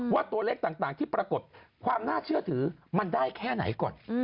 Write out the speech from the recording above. ว่าตัวเลขต่างที่ปรากฏความน่าเชื่อถือมันได้แค่ไหนก่อน